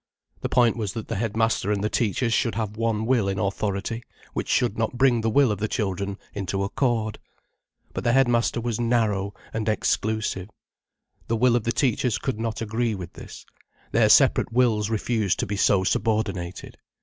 The point was that the headmaster and the teachers should have one will in authority, which should bring the will of the children into accord. But the headmaster was narrow and exclusive. The will of the teachers could not agree with his, their separate wills refused to be so subordinated.